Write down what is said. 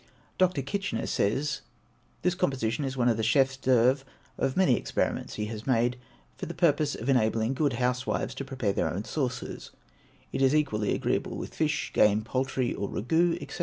Dr. Kitchener says, this composition is one of the chefs d'oeuvres of many experiments he has made, for the purpose of enabling good housewives to prepare their own sauces; it is equally agreeable with fish, game, poultry, or ragouts, &c.